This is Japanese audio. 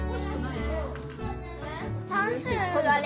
算数はね